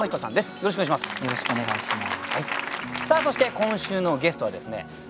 よろしくお願いします！